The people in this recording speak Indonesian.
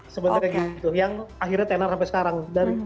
sebenarnya gitu yang akhirnya tenor sampai sekarang